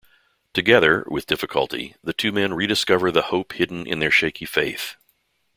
Together, with difficulty, the two men rediscover the hope hidden in their shaky faith.